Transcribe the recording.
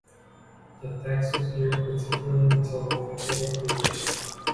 The text was geared particularly toward Rabbinic leadership.